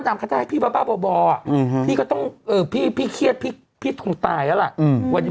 ไม่เปิดของพี่เอเขาอยู่อะไรห้างหลายหรืออะไร